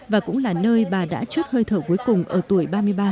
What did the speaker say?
và cũng là nơi bà đã chút hơi thở cuối cùng ở tuổi ba mươi ba